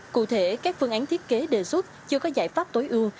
cụ thể các phương án thiết kế đề xuất chưa có giải pháp tối ưu